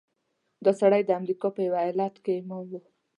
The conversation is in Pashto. دا سړی د امریکا په یوه ایالت کې امام و.